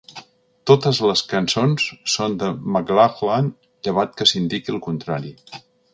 Totes les cançons són de McLachlan llevat que s'indiqui el contrari.